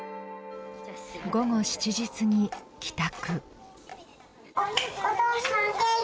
午後７時過ぎ、帰宅。